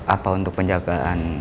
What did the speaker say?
apa untuk penjagaan